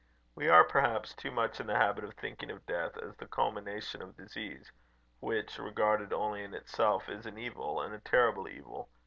We are, perhaps, too much in the habit of thinking of death as the culmination of disease, which, regarded only in itself, is an evil, and a terrible evil.